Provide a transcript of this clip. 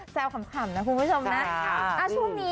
เจ้าขำนะคุณผู้ชมนะ